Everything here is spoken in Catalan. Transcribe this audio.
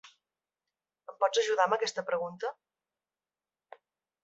Em pots ajudar amb aquesta pregunta?